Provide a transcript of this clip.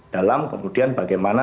dalam kemudian bagaimana